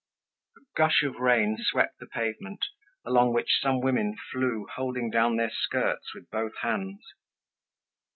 A gush of rain swept the pavement, along which some women flew, holding down their skirts with both hands.